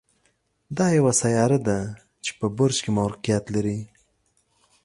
دا یوه سیاره ده چې په برج کې موقعیت لري.